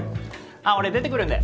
あっ俺出てくるんで。